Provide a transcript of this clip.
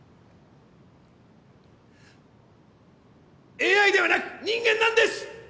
ＡＩではなく人間なんです！